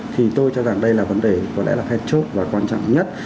thì tôi cho rằng đây là vấn đề có lẽ là then chốt và quan trọng nhất